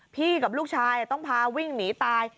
กับลูกชายต้องพาวิ่งหนีตาย